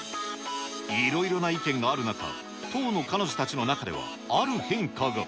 いろいろな意見がある中、当の彼女たちの中では、ある変化が。